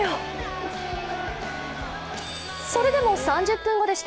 それでも３０分後でした。